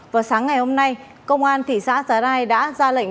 vào sáng ngày hôm nay công an thị xã giá rai đã ra lệnh